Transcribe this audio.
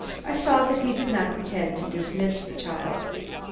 I saw that he did not intend to dismiss the child.